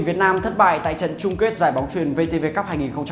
việt nam thất bại tại trận chung kết giải bóng truyền vtv cup hai nghìn một mươi chín